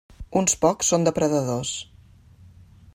Uns pocs són depredadors.